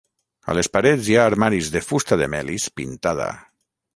A les parets hi ha armaris de fusta de melis pintada.